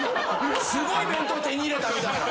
すごい弁当手に入れたみたいな。